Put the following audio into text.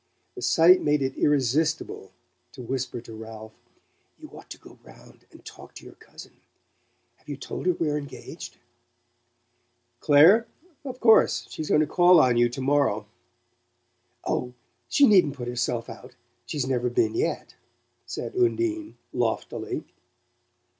The sight made it irresistible to whisper to Ralph: "You ought to go round and talk to your cousin. Have you told her we're engaged?" "Clare? of course. She's going to call on you tomorrow." "Oh, she needn't put herself out she's never been yet," said Undine loftily.